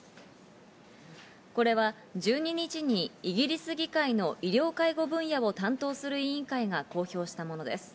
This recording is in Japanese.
これは１２日にイギリス議会の医療介護分野を担当する委員会が公表したものです。